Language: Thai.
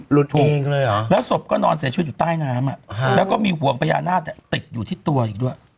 ถูกยิงเลยเหรอแล้วศพก็นอนเสียชีวิตอยู่ใต้น้ำแล้วก็มีห่วงพญานาคติดอยู่ที่ตัวอีกด้วย